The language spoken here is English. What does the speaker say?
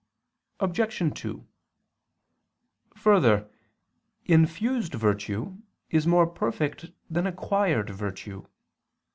Obj. 2: Further, infused virtue is more perfect than acquired virtue.